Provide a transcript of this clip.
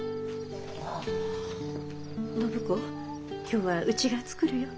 今日はうちが作るよ。